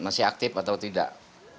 masih aktif atau tidak